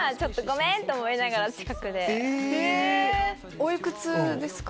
おいくつですか？